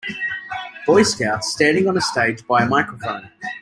Boy Scouts standing on a stage by a microphone.